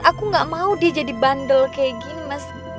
aku gak mau dia jadi bandel kayak gini mas